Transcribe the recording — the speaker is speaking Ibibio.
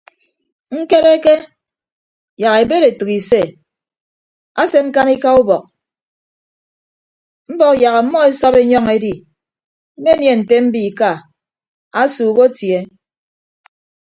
Ñkereke yak ibed etәk ise ase ñkanika ubọk mbọk yak ọmmọ esọp enyọñ edi mmenie nte mbiika asuuk atie.